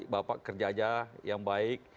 bapak kerja aja yang baik